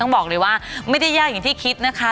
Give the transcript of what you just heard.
บอกเลยว่าไม่ได้ยากอย่างที่คิดนะคะ